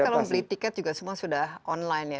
dan semua kita kalau beli tiket juga semua sudah online ya